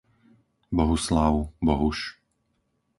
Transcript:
Bohuslav, Bohuš